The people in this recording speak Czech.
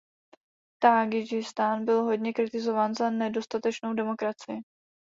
Tádžikistán byl hodně kritizován za nedostatečnou demokracii.